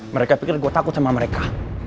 mereka pikir gue takut sama mereka